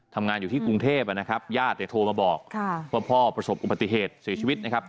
ทำงานอยู่ที่กรุงเทพฯญาติจะโทรมาบอกพ่อประสบอุปไตรเหตุเสียชีวิตนะครับ